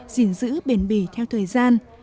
giữ bền bì theo thời gian